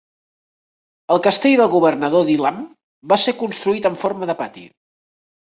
El castell del governador d'Ilam va ser construït en forma de pati.